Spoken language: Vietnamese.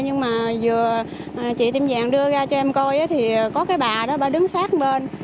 nhưng mà vừa chị tiêm vàng đưa ra cho em coi thì có cái bà đó bà đứng sát bên